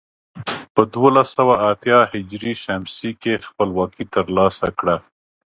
په دولس سوه اتيا ه ش کې خپلواکي تر لاسه کړه.